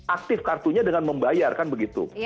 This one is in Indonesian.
aktif kartunya dengan membayar kan begitu